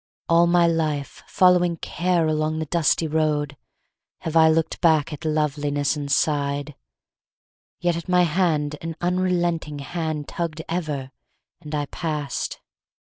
All my life, Following Care along the dusty road, Have I looked back at loveliness and sighed; Yet at my hand an unrelenting hand Tugged ever, and I passed.